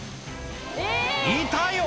いたよ！